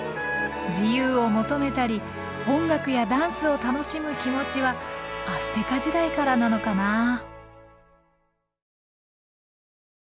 自由を求めたり音楽やダンスを楽しむ気持ちはアステカ時代からなのかな。